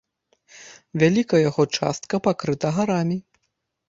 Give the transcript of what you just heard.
Вялікая яго частка пакрыта гарамі.